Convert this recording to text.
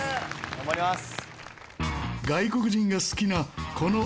頑張ります。